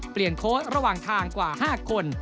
เปลี่ยนโค้ดระหว่างทางกว่า๕คน